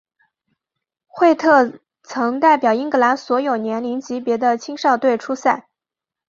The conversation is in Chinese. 惠特曾代表英格兰所有年龄级别的青少队出赛。